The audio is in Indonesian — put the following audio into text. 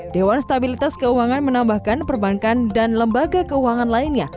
dewan stabilitas keuangan menambahkan perbankan dan lembaga keuangan lainnya